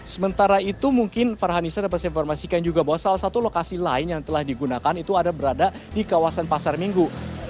sementara itu mungkin farhanisa dapat saya informasikan juga bahwa salah satu lokasi lain yang telah digunakan itu ada berada di kawasan pasar minggu